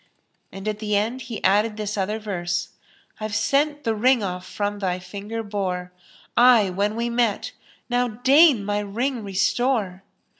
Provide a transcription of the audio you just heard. And at the end he added this other verse, "I've sent the ring from off thy finger bore * I when we met, now deign my ring restore!"